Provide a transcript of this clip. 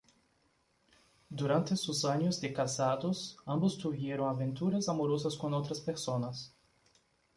Durante sus años de casados, ambos tuvieron aventuras amorosas con otras personas.